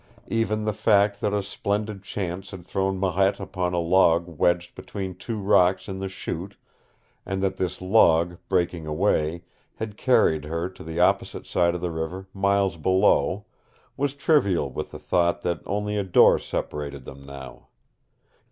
Even the fact that a splendid chance had thrown Marette upon a log wedged between two rocks in the Chute, and that this log, breaking away, had carried her to the opposite side of the river miles below, was trivial with the thought that only a door separated them now.